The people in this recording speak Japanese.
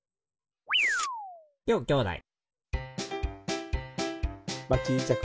ようきょうだい。